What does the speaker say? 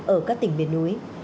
ở các tỉnh miền núi